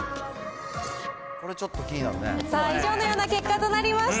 以上のような結果となりました。